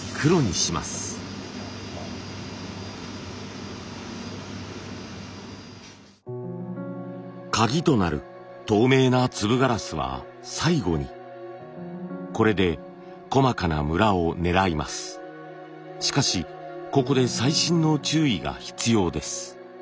しかしここで細心の注意が必要です。